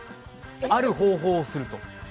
ある方法をすると。